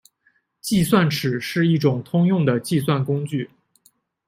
计算尺是一种通用的计算工具。